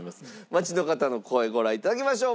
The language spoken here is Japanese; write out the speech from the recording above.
街の方の声ご覧頂きましょう。